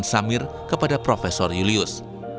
kemampuan agung dan agung yang berpengaruh